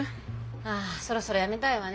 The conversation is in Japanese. ああそろそろやめたいわね。